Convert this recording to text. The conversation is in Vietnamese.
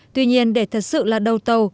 tuy nhiên để thật sự là đầu tâu